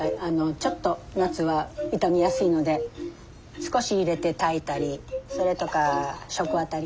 ちょっと夏は傷みやすいので少し入れて炊いたりそれとか食あたり。